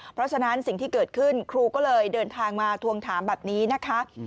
เพราะฉะนั้นสิ่งที่เกิดขึ้นครูก็เลยเดินทางมาทวงถามแบบนี้นะคะ